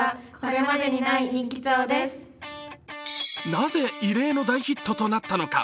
なぜ異例の大ヒットとなったのか。